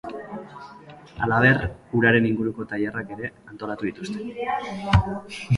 Halaber, uraren inguruko tailerrak ere antolatu dituzte.